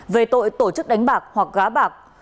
về tội tổ chức đánh bạc hoặc gá bạc